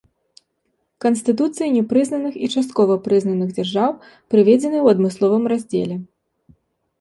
Канстытуцыі непрызнаных і часткова прызнаных дзяржаў прыведзены ў адмысловым раздзеле.